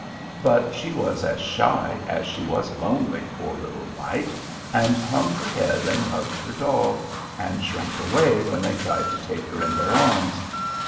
But she was as shy as she was lonely, poor little mite, and hung her head and hugged her doll, and shrank away when they tried to take her in their arms.